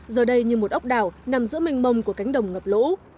giờ đây như một ốc đảo nằm giữa mênh mông của cánh đồng ngập lũ